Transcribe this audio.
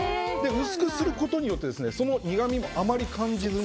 薄くすることによってその苦味もあまり感じずに。